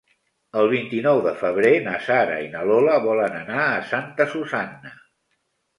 El vint-i-nou de febrer na Sara i na Lola volen anar a Santa Susanna.